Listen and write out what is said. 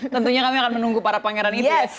tentunya kami akan menunggu para pangeran itu ya